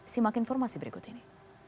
simak informasi berikut ini